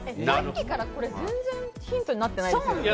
さっきから全然ヒントになってない。